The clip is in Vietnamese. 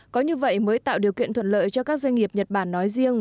có như vậy mới tạo điều kiện thuận lợi cho các doanh nghiệp nhật bản nói riêng